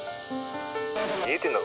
「見えてんの？